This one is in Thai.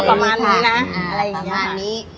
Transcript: ต้องเอาประมาณนี้นะ